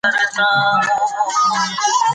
دا تاریخ موږ ته ډېر څه ښيي.